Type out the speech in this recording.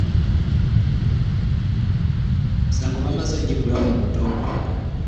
Emisango baamaze okugiggulawo mu butongole.